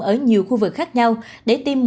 ở nhiều khu vực khác nhau để tiêm một mươi một